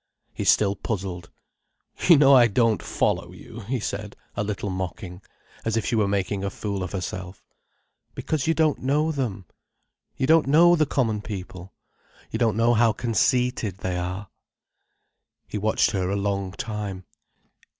He still puzzled. "You know I don't follow you," he said, a little mocking, as if she were making a fool of herself. "Because you don't know them. You don't know the common people. You don't know how conceited they are." He watched her a long time.